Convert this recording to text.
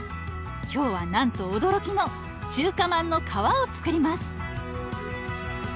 今日はなんと驚きの中華まんの皮を作ります。